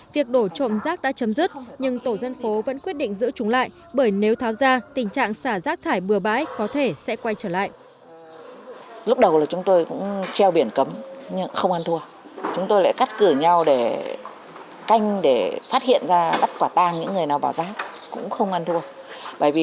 việc đổ trộm rác đã chấm dứt nhưng tổ dân phố vẫn quyết định giữ chúng lại